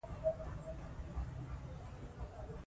او په ټوکو یې پوښتنه ترې کوله